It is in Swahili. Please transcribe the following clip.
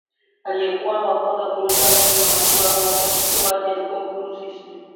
aliyekuwa wa kwanza kuruka ndani ya mashua ya uokoaji alikuwa bruce ismay